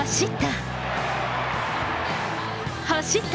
走った。